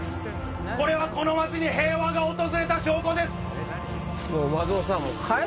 これはこの町に平和が訪れた証拠です！